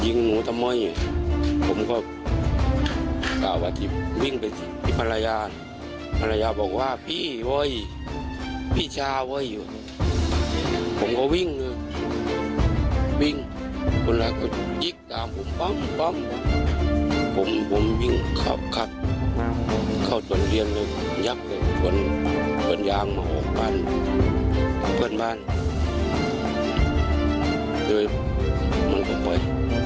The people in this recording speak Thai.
ดูหิงหัวทำไมผมก็ข้าวอาทิบวิ่งไปที่ภรรยาศภรรยาบอกว่าพี่เว้ยพี่ชาเว้ยผมก็วิ่งเลยวิ่งคนแหละก็ยิกตามผมฟังฟังอ่ะผมวิ่งขับเข้าต้นเรียนเลยยับเลยส่วนยางเมาะบันเพื่อนบ้านคุณไป